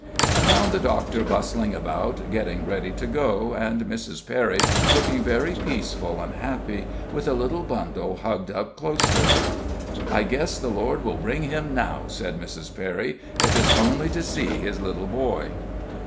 I found the doctor bustling about, getting ready to go, and Mrs. Perry looking very peaceful and happy, with a little bundle hugged up close to her. "I guess the Lord will bring him now," said Mrs. Perry, "if it's only to see his little boy."